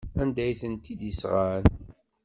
Anda ay tent-id-sɣan?